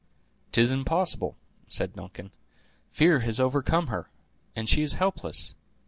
"'Tis impossible!" said Duncan; "fear has overcome her, and she is helpless.